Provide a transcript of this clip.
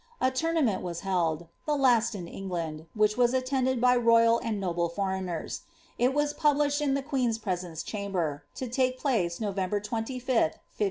A tournament was ^eld — the last in England, which was attended by royal and noble breigners. It was published in the queen's presence chimber,* to take ylace November 25th, 1554.